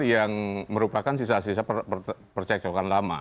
yang merupakan sisa sisa percekcokan lama